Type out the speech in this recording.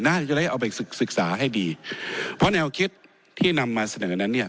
น่าจะได้เอาไปศึกษาให้ดีเพราะแนวคิดที่นำมาเสนอนั้นเนี่ย